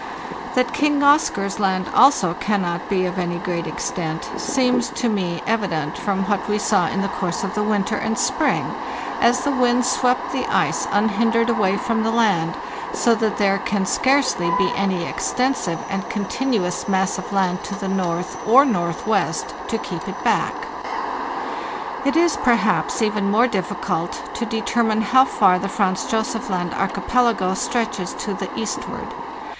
That King Oscar's Land also cannot be of any great extent seems to me evident THE JOURNEY SOUTHWARD oa | Sal N from what we saw in the course of the winter and spring, as the wind swept the ice unhindered away from the land, so that there can scarcely be any extensive and continuous mass of land to the north or northwest to keep it back. It is, perhaps, even more difficult to determine how far the Franz Josef Land archipelago stretches to the eastward.